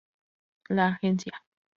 La agencia.